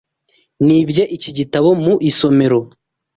Nibye iki gitabo mu isomero.